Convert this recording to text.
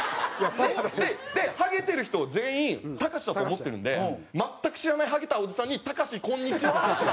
ではげてる人を全員タカシだと思ってるんで全く知らないはげたおじさんに「タカシこんにちは」って。